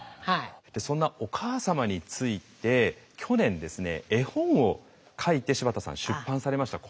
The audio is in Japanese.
そんなお母様について去年ですね絵本を書いて柴田さん出版されました。